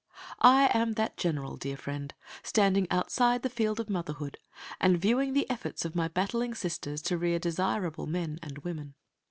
I am that general, my dear friend, standing outside the field of motherhood, and viewing the efforts of my battling sisters to rear desirable men and women.